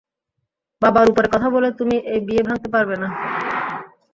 বাবার উপরে কথা বলে তুমি এই বিয়ে ভাঙতে পারবে না।